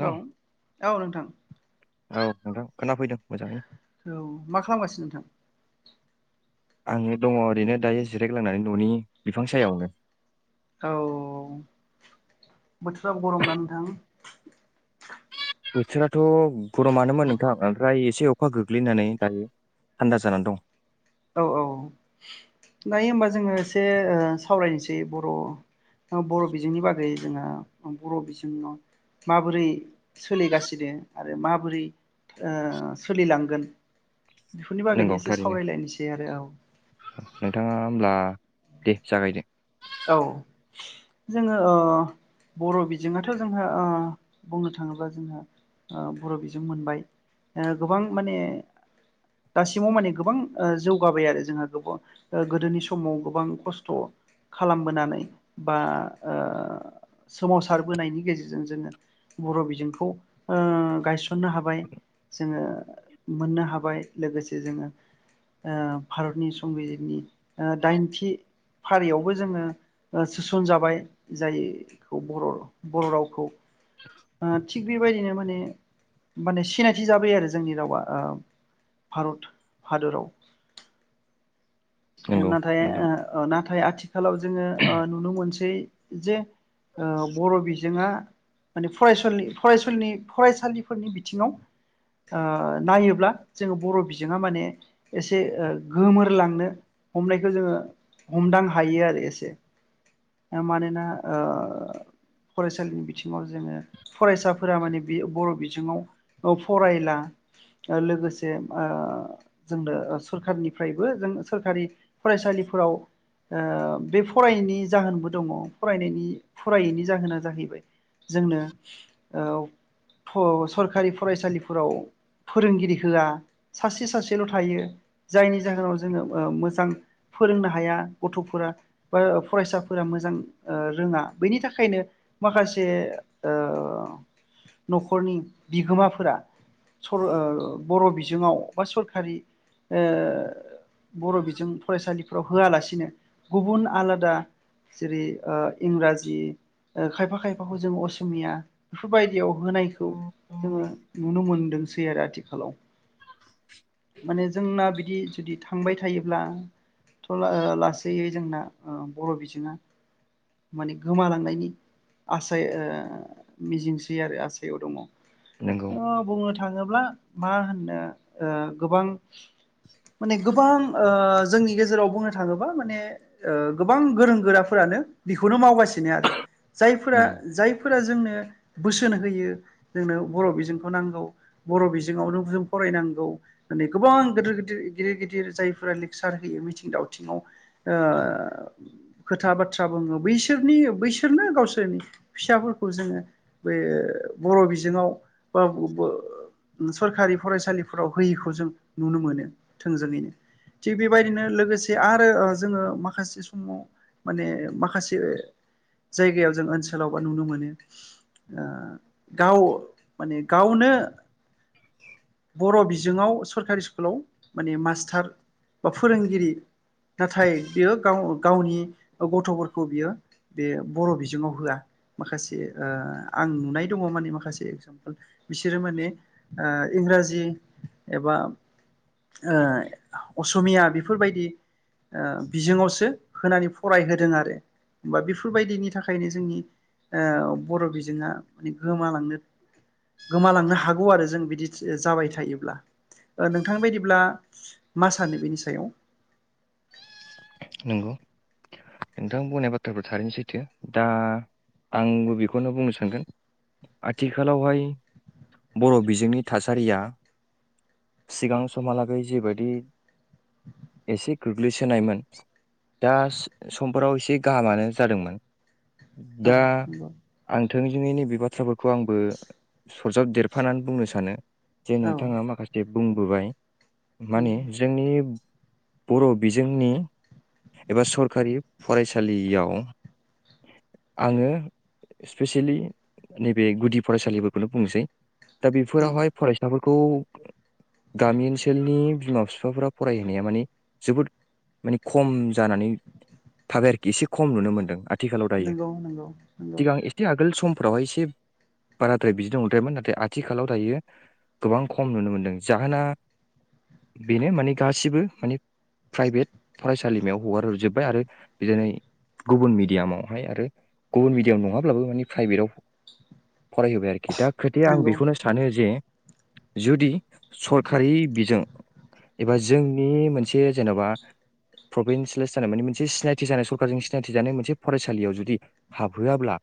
हेल औ नोंथां औ नोंथां खोनाफैदों मोजाङैनो औ मा खालामगासिनो नोंथां आङो दङ ओरैनो दायो जिरायग्लांनानै न'नि बिफां सायावनो औ बोथोरा गरम ना नोंथां बोथोराथ' गर'मानोमोन नोंथां ओमफ्राय एसे अख अखा गोग्लैनानै दायो थान्दा जानानै दं औ औ दायो होमबा जोङो एसे ओ सावरायनोसै बर' ओ बर' बिजोंनि बागै जोंहा बर' बिजोङाव माबोरै सोलिगासिनो आरो माबोरै ओ सोलिलांगोन। बेफोरनि नंगौ बागैनो एसे थारैनो सावरायलायनोसै आरो औ नोंथाङा होमला दे जागायदो औ जोङो ओ बर' बिजोङाथ' जोंहा अ बुंनो थाङोब्ला जोंहा ओ बर' बिजों मोनबाय ओ गोबां माने दासिमाव माने गोबां ओ जौगाबाय आरो जोंहा गोबाव गोदोनि समाव गोबां खस्थ' खालामबोनानै बा ओ सोमावसारबोनायनि गेजेरजों जोङो बर' बिजोंखौ ओ गायसननो हाबाय जोङो। मोननो हाबाय लोगोसे जोङो ओ भारतनि संबिजितनि ओ दाइनथि फारियाव जोङो ओ सोसन जाबाय जायखौ बर' बर' रावखौ आ थिक बेबायदिनो माने माने सिनायथि जाबाय आरो जोंनि रावा भारत हादराव नंगौ नाथाय नोंथां ओ अ नाथाय आथिखालाव जोङो ओ नुनो मोनसै जे ओ बर' बिजोङा माने फरायसलि फरायसलिनि फरायसालिफोरनि बिथिङाव ओ नायोब्ला जोङो बर' बिजोङा माने एसे गोमोरलांनो हमनायखौ जोङो हमदां हायो आरो एसे मानोना ओ फरायसालिनि बिथिङाव जोङो फरायसाफोरा माने बे बर' बिजोङाव ओ फरायला लोगोसे जोंनो सरखारनिफ्रायबो जों सोरखारि फरायसालिफोराव ओ बे फरायैनि जाहोनबो दङ फरायनायनि फरायैनि जाहोना जाहैबाय जोंनो ओ फो सरखारि फरायसालिफोराव फोरोंगिरि होआ सासे सासेल' थायो जायनि जाहोनाव जोङो मोजां फोरोंनो हाया गथ'फोरा बा फरायसाफोरा मोजां ओ रोङा बेनि थाखायनो माखासे ओ न'खरनि बिगोमाफोरा सर बर' बिजोङाव बा सरखारि ओ बर' बिजों फरायसालिफ फोराव होआलासिनो गुबुन आलादा जेरै ओ इंराजि खायफा खायफाखौ जों असमिया बेफोरबायदियाव होनायखौ जोङो नुनो मोनदोंसै आरो आथि हेलौ माने जोंना बिदि जदि था थांबाय थायोब्लाथ' ला लासैयै जोंना बर' बिजोङा माने गोमालांनायनि आसायै मिजिंसै आरो आसायाव दङ नंगौ ओ बुंनो थाङोब्ला मा होननो ओ गोबां माने गोबां ओ जोंनि गेजेराव बुंनो थाङोबा माने गोबां गोरों गोराफोरानो बिखौनो मावगासिनो आरो जायफ्रा उम, जायफ्रा जोंनो बोसोन होयो जोंनो बर' बिजोंखौ नांगौ बर' बिजोंआवनो जों फरायनांगौ नै गोबां गिदिर गिदिर गिदिर गिदिरफ्रा गिदिर जायफोरा लेक्सार होयो मिथिं दावथिङाव ओ खोथा बाथ्रा बुङो बैसोरनि बैसोरनो गावसोरनि फिसाफोरखौ जोङो बे बर' बिजोङाव [unintelligible] ओ सरखारि फरायसालिफोराव होयिखौ जों नुनो मोनो थोंजोङैनो थिग बेबायदिनो लोगोसे आरो जोङो माखासे समाव माने माखासे जायगायाव जों ओनसोलाव बा नुनो मोनो ओ गाव माने गावनो [inaudible] बर' बिजोङाव सरकारि स्कुलाव माने मास सार बा फोरोंगिरि नाथाय बियो गाव गावनि गथ'फोरखौ बियो बे बर' बिजोङाव होआ माखासे ओ आं नुनाय दङ माने माखासे एगजामपोल। बिसोरो माने ओ इंराजि एबा ओ अस'मिया बिफोरबायदि ओ बिजोङावसो होनानै फरायहोदों आरो बा बिफोरबायदिनि थाखायनो जोंनि ओ बर' बिजोङा गोमालांनो गोमालांनो हागौ आरो जों बिदि जाबाय थायोब्ला ओ नोंथां बायदिब्ला मा सानो बेनि सायाव? नंगौ नोंथां बुंनाय बाथ्राफोर थारैनो सैथो दा आंबो बेखौनो बुंनो सानगोन आथिखालावहाय बर' बिजोंनि थासारिया सिगां समहालागै जेबायदि एसे गोग्लैसोनायमोन। दास समफोराव एसे गाहामानो जादोंमोन औ दा नंगौ आं थोंजोङै नैबि बाथ्राफोरखौ आंबो सरजाब देरफानानै बुंनो सानो। जे औ नोंथाङा माखासे बुंबोबाय माने जोंनि बर' बिजोंनि एबा सरखारि फरायसालियाव आङो स्पेसेयेलि नैबे गुदि फरायसालिफोरखौनो बुंनोसै दा नंगौ बिफोरावहाय फरायसाफोर खौ गामि ओनसोलनि बिमा फिफाफोरा फरायहोनाया माने जोबोद माने खम जानानै थाबाय आरोखि एसे खम नुनो मोन्दों आ थिखालाव दायो नंगौ नंगौ नंगौ सिगां एसे आगोल सम फोरावहाय एसे बाराद्राय बिदि नंद्रायामोन नाथाय आथिखालाव दायो गोबां खम नुनो मोनदों जाहोना बेनो माने गासिबो माने प्राइभेट फरायसालिमायाव हगारजोब्बाय आरो बिदानै गुबुन मिडियामावहाय आरो गुबुन मिडियाम नङाब्लाबो मानि प्राइभेटाव फरायहोबाय आरोखि दा नंगौ खोथाया आं बेखौनो सानो जे जुदि सरखारि बिजों एबा जोंनि मोनसे जेन'बा प्रभिन्सियेेलाइस जानाय माने मोनसे सिनायथि जानाय सरखारारजों सिनायथि जानाय मोनसे फरायसालियाव जुदि हाबहोआब्ला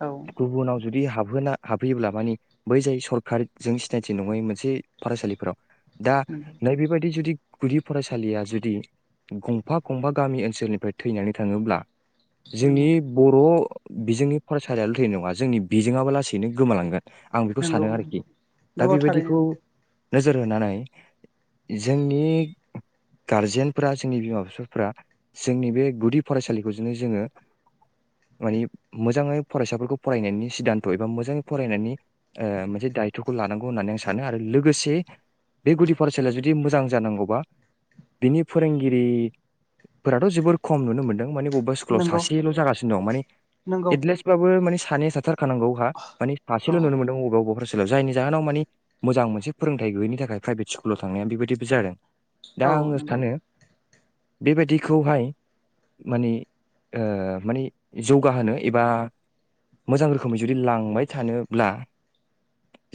औ गुबुनाव जुदि हाबहोना हाबहैयोब्ला मानि बै जाय सरखारजों सिनायथि नङै मोनसे फरायसालिफोराव दा नंगौ नैबेबायदि जुदि गुदि फरायसालिया जुदि गंफा गंफा गामि ओनसोलनिफ्राय थैनानै थाङोब्ला जोंनि नंगौ बर' बिजोंनि फरायसालियाल' थैनाय नङा जोंनि बिजोङाबो लासैनो गोमालांगोन। आं बेखौ सानो नंगौ आरोखि दा नंगौ बेबायदिखौ थारैनो नोजोर होनानै जोंनि गारजेन फोरा जोंनि बिमा फिफाफोरा जोंनि बे गुदि फरायसालिखौ जोनो जोङो मानि मोजाङै फरायसाफोरखौ फरायनायनि सिदानथ' एबा मोजाङै फरायनायनि ओ मोनसे दायथ'खौ लानांगौ होननानै आं सानो आरो लोगोसे बे गुदि फरायसालिया जुदि मोजां जानांगौबा बिनि फोरोंगिरिफोराथ' जोबोर खम नुनो मोन्दों माने अब्बा स्कुलाव नंगौ सासेल' जागासिनो दं माने नंगौ एथलेसबाबो माने सानै साथार थानांगौ हा माने औ सासेल' नुनो मोनदों [unintelligible] जायनि जाहोनाव मानि मोजां मोनसे फोरोंथाइ गैयिनि थाखाय प्राइभेट स्कुलाव थांनाया बेबायदिबो जादों। दा औ आङो नंगौ। सानो बेबायदिखौहाय मानि ओ मानि जौगाहोनो एबा मोजां रोखोमै जुदि लांबाय थानोब्ला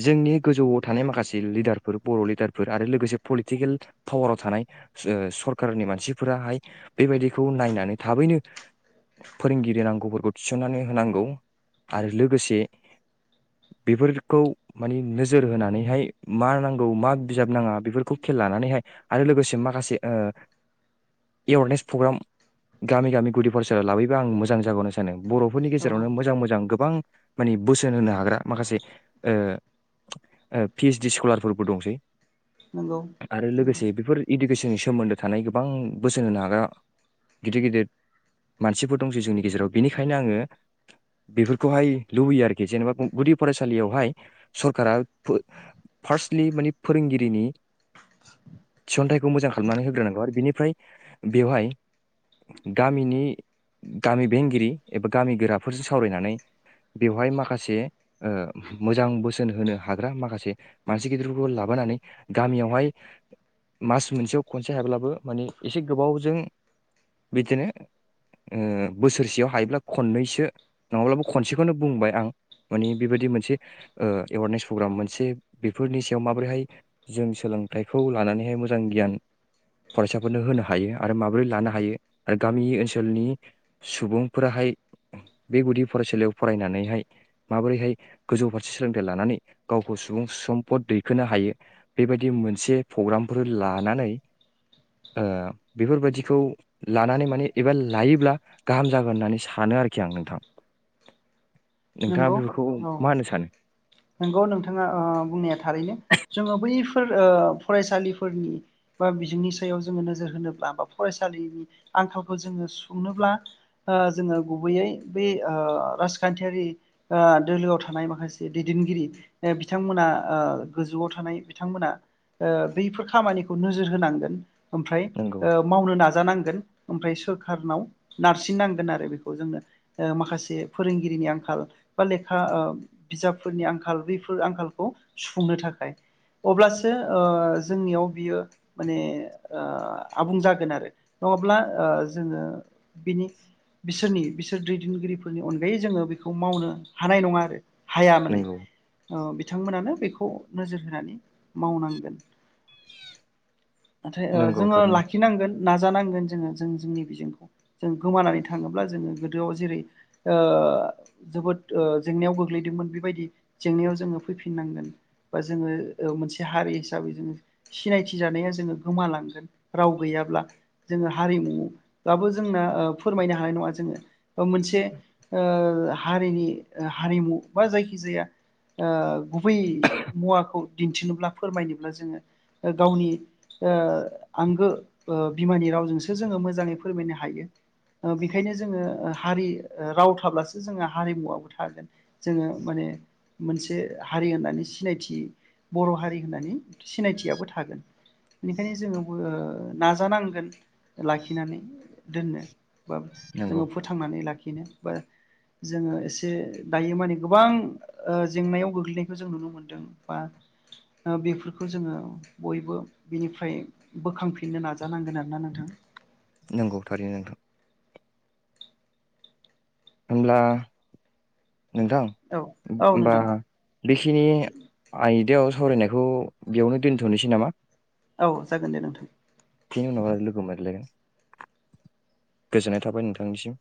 जोंनि गोजौआव थानाय माखासे लिडारफोर बर' लिडारफोर आरो लोगोसे पलिटिकेल पावाराव थानाय ओ सरखारनि मानसिफोराहाय बेबायदिखौ नायनानै थाबैनो फोरोंगिरि नांगौफोरखौ थिसननानै होनांगौ आरो लोगोसे बेफोरखौ मानि नोजोर होनानैहाय मा नांगौ मा बिजाब नाङा बेफोरखौ खेल लानानैहाय आरो लोगोसे माखासे ओ ए वारनेस प्रग्राम गामि गामि गुदि फरायसालियाव लाबोयोबा आं मोजां जागौ होनना सानो। बर'फोरनि औ गेजेरावनो मोजां मोजां गोबां। मानि बोसोन होनो हाग्रा। माखासे ओ ओ पि-ऐस-डि स्कलारफोरबो दंसै। नंगौ आरो नंगौ लोगोसे बेफोर इडुकेसन। सोमोन्दो। थानाय गोबां बोसोन होनो हाग्रा गिदिर गिदिर मानसिफोर दंसै जोंनि गेजेराव बेनिखायनो आङो बेफोरखौहाय लुबैयो आरोखि जेनेबा गुदि फरायसालियावहाय सरकारा फार्स्टलि मानि फोरोंगिरिनि थिसन्थाइखौ मोजां खालामनानै होग्रोनांगौ। आर बिनिफ्राय बेवहाय गामिनि गामि बेंगिरि एबा गामि गोराफोरजों सावरायनानै बेवहाय माखासे ओ मोजां बोसोन होनो हाग्रा माखासे मानसि गिदिरफोरखौ लाबोनानै गामियावहाय मास मोनसेयाव खनसे हायाब्ला बो मानि एसे गोबावजों बिदिनो ओ बोसोरसेयाव हायोब्ला खननैसो नङाब्लाबो खनसेखौनो बुंबाय आं मानि बेबायदि मोनसे ओ एवारनेस प्रग्राम मोनसे बेफोरनि सायाव माबोरैहाय जों सोलोंथाइखौ लानानैहाय मोजां गियान फरायसाफोरनो होनो हायो आरो माबोरै लानो हायो आरो गामि ओनसोलनि सुबुंफोराहाय बे गुदि फरायसालियाव फरायनानैहाय माबोरैहाय गोजौ फारसे सोलोंथाइ लानानै गावखौ सुबुं सम्पद दैखोनो हायो बेबायदि मोनसे प्रग्रामफोर लानानै ओ बेफोरबायदिखौ लानानै माने एबा लायोब्ला गाहाम जागोन होननानै सानो आरोखि आं नोंथां। नोंथाङा नंगौ बेफोरखौ औ मा होनो सानो? नंगौ नोंथाङा ओ बुंनाया थारैनो जोङो बै फोर ओ फरायसालिफोरनि बा बिजोंनि सायाव जोङो नोजोर होनोब्ला बा फरायसालिनि आंखालखौ जोङो सुंनोब्ला ओ जोङो गुबैयै बे ओ राजखान्थियारि ओ दोलोआव थानाय माखासे दैदेनगिरि बिथांमोना ओ गोजौआव थानाय बिथांमोना ओ बैफोर खामानिखौ नोजोर होनांगोन। ओमफ्राय नंगौ ओ मावनो नाजा। जानांगोन ओमफ्राय सोरखारनाव नारसिननांगोन आरो बेखौ जोंनो ओ माखासे फोरोंगिरिनि आंखाल। बा लेखा ओ बिजाबफोरनि आंखाल बैफोर आंखालखौ सुफुंनो थाखाय अब्लासो ओ जोंनियाव बियो माने ओ आबुं जागोन आरो नङाब्ला जोङो बिनि बिसोरनि बिसोर दैदेनगिरिफोरनि अनगायै जोङो बेखौ मावनो हानाय नङा आरो। हाया माने। नंगौ ओ बिथांमोनानो बेखौ नोजोर होनानै मावनांगोन। नाथाय ओ नंगौ जोङो थारैनो लाखिनांगोन नाजानांगोन। जोङो जों जोंनि बिजोंखौ जों गोमानानै थाङोब्ला जोङो गोदोआव जेरै ओ जोबोद ओ जेंनायाव गोग्लैदोंमोन बेबायदि जेंनायाव जोङो फैफिननांगोन बा जोङो मोनसे हारि हिसाबै जोङो सिनायथि जानाया जोङो गोमालांगोन राव गैयाब्ला जोङो हारिमु बाबो जोंना फोरमायनो हानाय नङा जोङो मोनसे ओ हारिनि । हारिमु बा जायखिजाया ओ गुबै मुवाखौ दिन्थिनोब्ला फोरमायनोब्ला जोङो गावनि ओ आंगो ओ बिमानि रावजोंसो जोङो मोजाङै फोरमायनो हायो ओ बेखायनो जोङो ओ हारि राव थाब्लासो जों हारिमुवाबो था थागोन जोङो माने मोनसे हारि होननानै सिनायथि बर' हारि होननानै सिनायथियाबो थागोन बेनिखायनो जोङो ओ नाजानांगोन लाखिनानै। दोननो बा नंगौ जोङो फोथांनानै लाखि बेनो बा जोङो एसे एसे दायो माने गोबां ओ जेंनायाव गोग्लैनायखौ जों नुनो मोनदों बा बेफोरखौ जोङो बयबो बिनिफ्राय बोखांफिननो नाजानांगोन आरोना नोंथां। नंगौ थारैनो नोंथां। होमब्ला? नोंथां औ औ होनबा नोंथां बेखिनि आयदायाव सावरायनायखौ बेयावनो दोनथनोसै नामा? औ जागोन दे नोंथां। फिन उनाव आरो लोगो मोनलायगोन। गोजोननाय थाबाय नोंथांनिसिम।